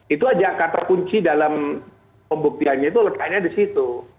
itu aja kata kunci dalam pembuktiannya itu letaknya di situ